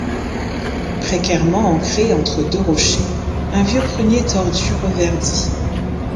Précairement ancré entre deux rochers, un vieux prunier tordu reverdit.